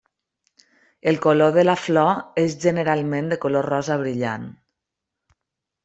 El color de la flor és generalment de color rosa brillant.